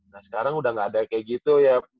nah sekarang udah gak ada kayak gitu ya